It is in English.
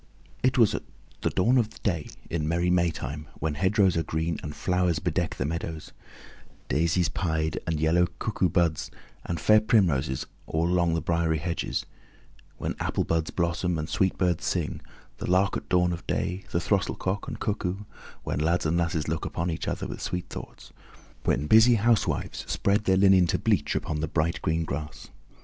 It was at the dawn of day in the merry Maytime, when hedgerows are green and flowers bedeck the meadows; daisies pied and yellow cuckoo buds and fair primroses all along the briery hedges; when apple buds blossom and sweet birds sing, the lark at dawn of day, the throstle cock and cuckoo; when lads and lasses look upon each other with sweet thoughts; when busy housewives spread their linen to bleach upon the bright green grass.